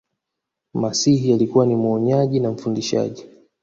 masihi alikuwa ni muonyaji na mfundisaji